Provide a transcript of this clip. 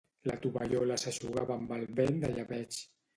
La tovallola s' eixugava amb el vent de llebeig.